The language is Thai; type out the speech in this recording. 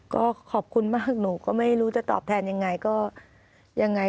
ก็ขอบคุณมากหนูก็ไม่รู้จะตอบแทนยังไงก็ยังไง